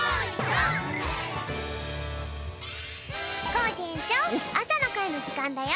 コージえんちょうあさのかいのじかんだよ。